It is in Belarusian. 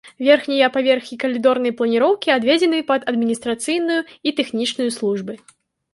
Верхнія паверхі калідорнай планіроўкі, адведзены пад адміністрацыйную і тэхнічную службы.